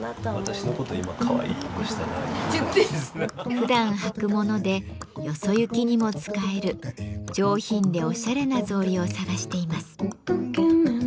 ふだん履くものでよそ行きにも使える上品でおしゃれな草履を探しています。